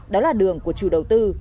đó là đường của chủ đầu tư